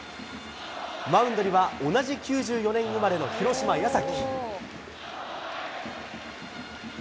マウンドには、同じ９４年生まれの広島、矢崎。